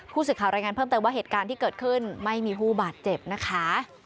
ผู้สื่อข่าวรายงานเพิ่มเติมว่าเหตุการณ์ที่เกิดขึ้นไม่มีผู้บาดเจ็บนะคะ